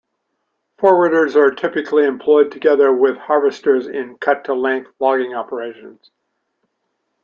Forwarders are typically employed together with harvesters in cut-to-length logging operations.